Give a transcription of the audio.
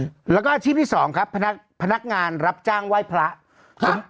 แล้วก็อาชีพที่สองครับพนักพนักงานรับจ้างไหว้พระครับ